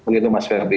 begitu mas febri